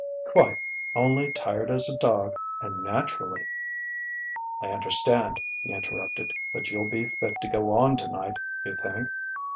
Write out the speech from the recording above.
"Quite only tired as a dog; and naturally " "I understand," he interrupted. "But you'll be fit to go on tonight, you think?"